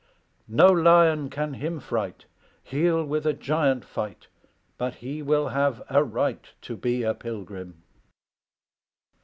No lion can him fright; He'll with a giant fight, But he will have a right To be a pilgrim.